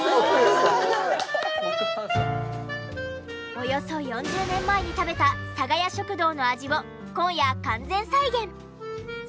およそ４０年前に食べたさがや食堂の味を今夜完全再現。